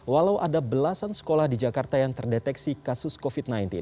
walau ada belasan sekolah di jakarta yang terdeteksi kasus covid sembilan belas